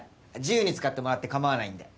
自由に使ってもらって構わないんで。